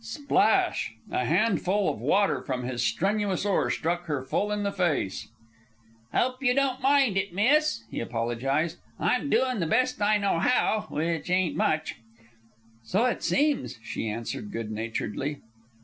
Splash! A handful of water from his strenuous oar struck her full in the face. "Hope you don't mind it, miss," he apologized. "I'm doin' the best I know how, which ain't much." "So it seems," she answered, good naturedly.